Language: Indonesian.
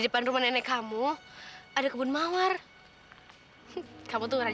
raresan kamu metu' laundry ya saya nah